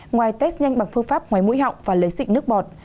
ngoài test nhanh bằng phương pháp ngoài mũi họng và lấy xịt nước bọt